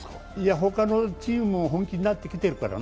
他のチームも本気になってきてるからね。